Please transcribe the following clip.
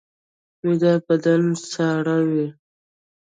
ویده بدن ساړه وي